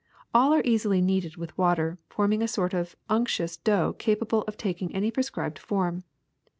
All are easily kneaded with water, forming a sort of unctuous dough capable of taking any prescribed form.